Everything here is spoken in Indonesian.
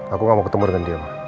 aku enggak mau ketemu dengan dia ma